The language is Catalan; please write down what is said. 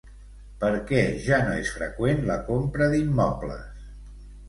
Per què ja no és freqüent la compra d'immobles?